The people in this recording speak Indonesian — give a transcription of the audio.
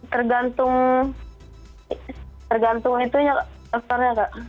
tergantung tergantung itu ya kak sponsornya kak